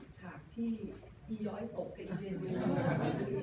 ชาติที่อียอยตกกับอีเรนวล